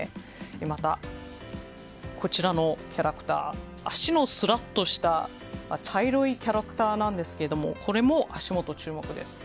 またこちら、足のすらっとした茶色いキャラクターなんですがこれも足元、注目です。